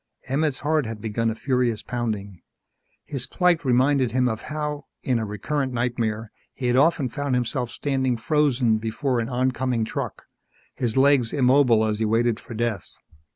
Emmett's heart had begun a furious pounding. His plight reminded him of how, in a recurrent nightmare, he had often found himself standing frozen before an oncoming truck, his legs immobile as he waited for death.